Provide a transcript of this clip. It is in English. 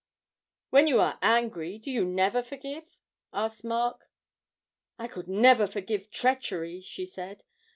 'When you are angry, do you never forgive?' asked Mark. 'I could never forgive treachery,' she said.